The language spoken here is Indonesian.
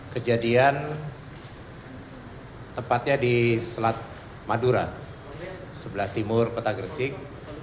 kejadian tepatnya di selat madura sebelah timur kota gresik